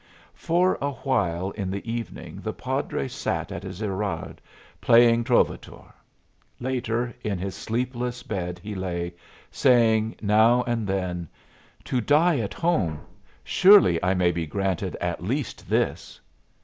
For a while in the evening the padre sat at his Erard playing "Trovatore." Later, in his sleepless bed he lay, saying now a then: "To die at home! Surely I may granted at least this."